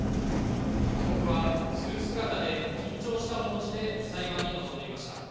被告はスーツ姿で緊張した面持ちで裁判に臨んでいました。